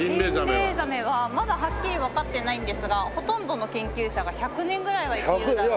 ジンベエザメはまだはっきりわかってないんですがほとんどの研究者が１００年ぐらいは生きるだろう。